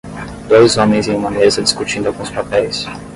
Dois homens em uma mesa discutindo alguns papéis.